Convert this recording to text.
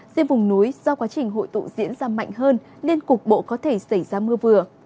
riêng vùng núi do quá trình hội tụ diễn ra mạnh hơn nên cục bộ có thể xảy ra mưa vừa